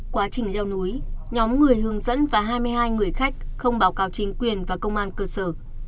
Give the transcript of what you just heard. quá trình leo núi nhóm người hướng dẫn và hai mươi hai người khách không báo cáo chính quyền và công an cơ sở